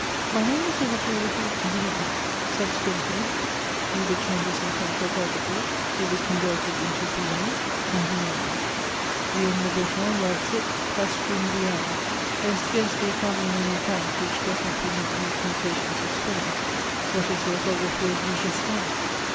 My name was originally written Brten; subsequently, through the changes in French orthography, it was conyerted into Briant and Briand. Guillaume le Breton writes it Caairum' BrioHi. There is scarcely a family name in France which does not present these mutations of spelling. What is the orthography of du Guesclin